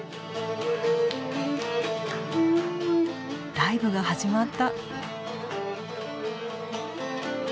ライブが始まった。